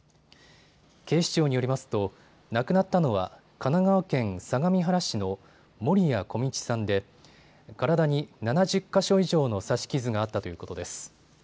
警視庁によりますと亡くなったのは神奈川県相模原市の守屋径さんで体に７０か所以上の刺し傷があったということです。